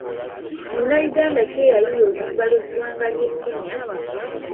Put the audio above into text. Munnayuganda ki eyayiiya oluyimba lw'eggwanga ly'e Kenya?